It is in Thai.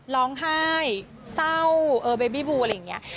ร้องไห้เศร้าเออเบบี้บูอะไรอย่างนี้